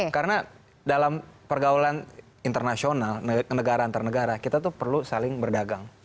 karena dalam pergaulan internasional negara antar negara kita perlu saling berdagang